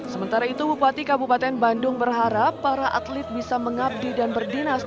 sementara itu bupati kabupaten bandung berharap para atlet bisa mengabdi dan berdinas